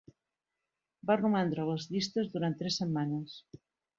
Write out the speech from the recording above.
Va romandre a les llistes durant tres setmanes.